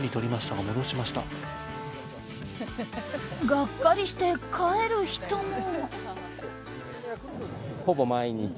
がっかりして帰る人も。